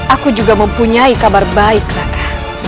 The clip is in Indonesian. aku juga mempunyai kabar baik raka